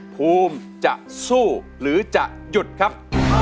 ภูมิจะสู้หรือจะหยุดครับ